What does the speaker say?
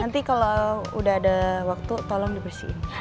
nanti kalau udah ada waktu tolong dibersihin